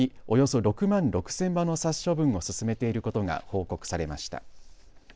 およそ６万６０００羽の殺処分を進めていることが報告されました。